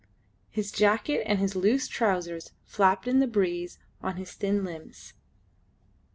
His jacket and his loose trousers flapped in the breeze on his thin limbs.